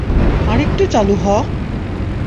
আরেকটু চালু হ!